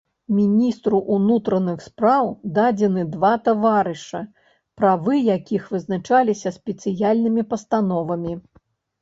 Міністру ўнутраных спраў дадзены два таварыша, правы якіх вызначаліся спецыяльнымі пастановамі.